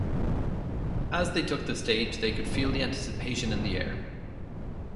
As they took the stage, they could feel the anticipation in the air.